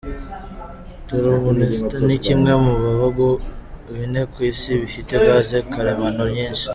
Turkmenistan ni kimwe mu bihugu bine ku isi bifite gaz karemano nyinshi.